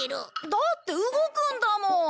だって動くんだもん！